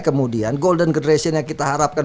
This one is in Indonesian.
kemudian golden generation yang kita harapkan